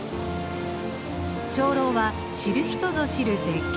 鐘楼は知る人ぞ知る絶景ポイント。